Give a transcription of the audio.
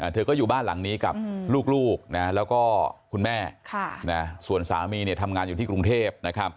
เธอก็อยู่บ้านหลังนี้กับลูกแล้วก็คุณแม่ส่วนสามีทำงานอยู่ที่กรุงเทพ